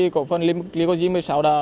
cổ phần lycosi một mươi sáu đã